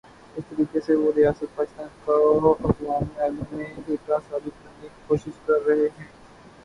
اس طریقے سے وہ ریاست پاکستان کو اقوام عالم میں جھوٹا ثابت کرنے کی کوشش کررہے ہیں۔